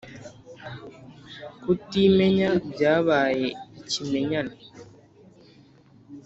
kutimenya byabaye ikimenyane